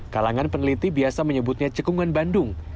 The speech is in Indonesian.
kalangan peneliti biasa menyebutnya cekungan bandung